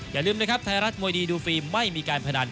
อย่าลืมนะครับไทยรัฐมวยดีดูฟรีไม่มีการพนัน